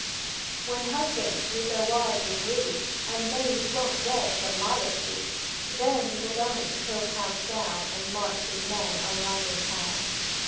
When Husbands with their Wives agree, And Maids won't wed from modesty; Then Little Boney he'll pounce down, And march his men on London town!